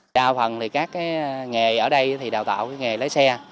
đa phần thì các nghề ở đây thì đào tạo cái nghề lái xe